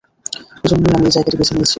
এজন্যই আমি এই জায়গাটি বেছে নিয়েছি।